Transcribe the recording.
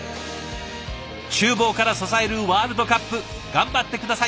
ちゅう房から支えるワールドカップ頑張って下さい。